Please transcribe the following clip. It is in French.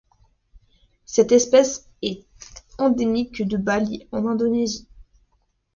Cette espèce est endémique de Bali en Indonésie.